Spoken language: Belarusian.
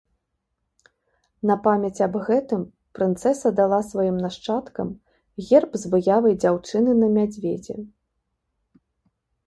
На памяць аб гэтым прынцэса дала сваім нашчадкам герб з выявай дзяўчыны на мядзведзі.